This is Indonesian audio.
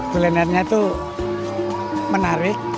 kulinernya itu menarik